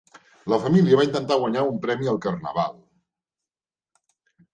La família va intentar guanyar un premi al carnaval.